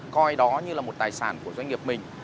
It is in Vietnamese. coi đó như là một tài sản của doanh nghiệp mình